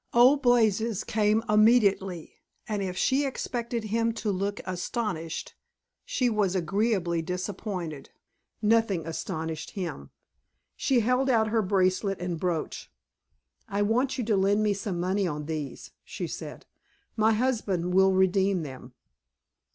"Old Blazes" came immediately, and if she expected him to look astonished she was agreeably disappointed. Nothing astonished him. She held out her bracelet and brooch. "I want you to lend me some money on these," she said. "My husband will redeem them."